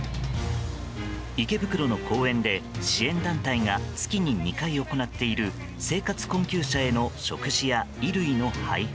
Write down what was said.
池袋の公園で支援団体が月に２回行っている生活困窮者への食事や衣類の配布。